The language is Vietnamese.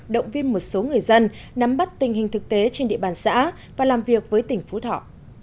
động viên một số người dân nắm bắt tình hình thực tế trên địa bàn xã và làm việc với tỉnh phú thọ